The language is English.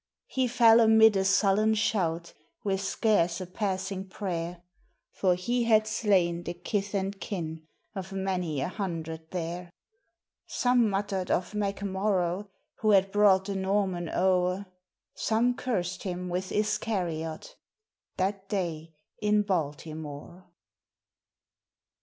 He fell amid a sullen shout, with scarce a passing prayer, For he had slain the kith and kin of many a hundred there: Some muttered of MacMorrogh, who had brought the Norman o'er, Some cursed him with Iscariot, that day in Baltimore.